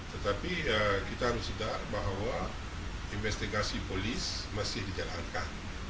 tetapi kita harus lihat bahwa investigasi polis masih dijalankan